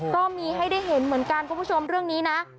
ก็มีให้ได้เห็นเหมือนกันคุณผู้ชมเรื่องนี้นะ